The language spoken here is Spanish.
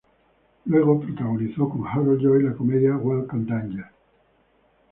Luego, protagonizó con Harold Lloyd la comedia "Welcome Danger".